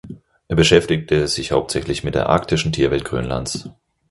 Er beschäftigte sich hauptsächlich mit der arktischen Tierwelt Grönlands.